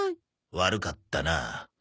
悪かったな。